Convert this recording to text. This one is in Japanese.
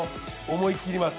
思い切ります。